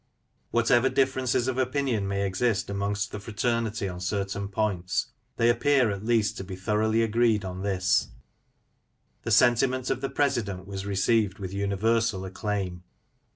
Whatever differences of opinion may exist amongst the fraternity on certain points, they appear at least to be thoroughly agreed on this : the sentiment of the President was received with universal acclaim!